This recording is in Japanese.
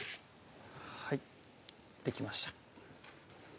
はいできました